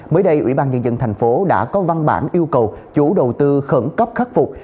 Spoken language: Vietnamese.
mới đây ủy ban nhân dân thành phố đã có văn bản yêu cầu chủ đầu tư khẩn cấp khắc phục